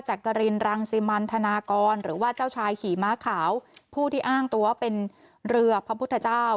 กรินรังสิมันธนากรหรือว่าเจ้าชายขี่ม้าขาวผู้ที่อ้างตัวเป็นเรือพระพุทธเจ้า